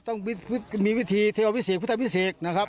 ต้องมีวิธีเทววิเศษพุทธวิเศษนะครับ